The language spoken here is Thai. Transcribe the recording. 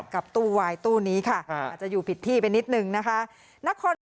กับตู้วายตู้นี้ค่ะอาจจะอยู่ผิดที่ไปนิดนึงนะคะ